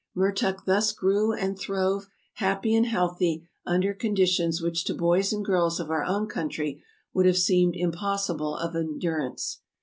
Mertuk thus grew and throve, happy and healthy, under conditions which to boys and girls of our own country would have seemed impossible of endurance.